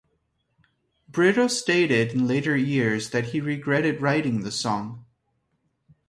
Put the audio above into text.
Brito stated in later years that he regretted writing the song.